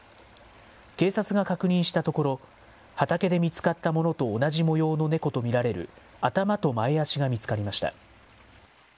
警察が確認したところ、畑で見つかったものと同じ模様の猫と見られる頭と前足が見つかりました。